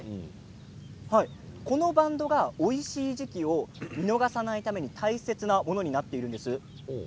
このバンドがおいしい時季を見逃さないために大切なものになっているんです。